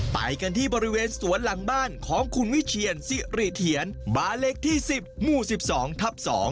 ไปกันที่บริเวณสวนหลังบ้านของคุณวิเชียนสิริเถียรบ้านเลขที่๑๐หมู่๑๒ทับ๒